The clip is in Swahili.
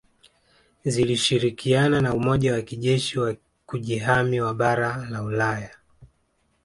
Zilishirikiana na Umoja wa kijeshi wa Kujihami wa bara la Ulaya